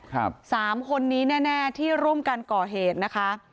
สามคนนี้แน่แน่ที่ร่วมกันก่อเหตุนะคะ